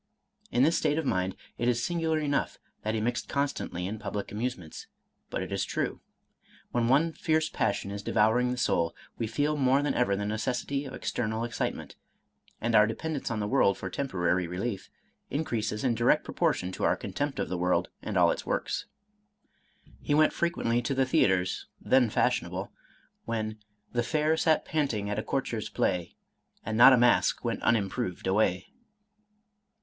In this state of mind, it is singular enough that he mixed constantly in public amusements, but it is true. When one fierce passion is devouring the soul, we feel more than ever the necessity of external ex citement; and our dependence on the world for temporary relief increases in direct proportion to our contempt of the 182 Charles Robert Maturin world and all its works. He went frequently to the thea ters, then fashionable, when "The fair sat panting at a courtier's play, And not a mask went unimproved away."